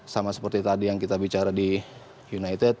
sama seperti tadi yang kita bicara di united